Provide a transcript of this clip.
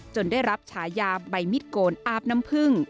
ได้รับฉายาใบมิดโกนอาบน้ำพึ่ง